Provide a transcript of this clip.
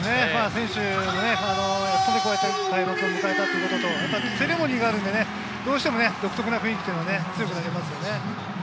選手もこうやって開幕を迎えたことと、セレモニーがあるんで、どうしても独特な雰囲気が強くなりますね。